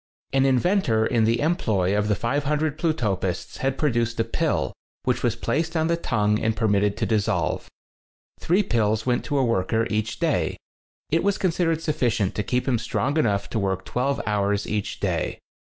An inventor in the employ of the 500 Plutopists had produced a pill, which was placed on the tongue and per mitted to dissolve. Three pills went to a worker each day. It was con sidered sufficient to keep him strong enough to work twelve hours each day.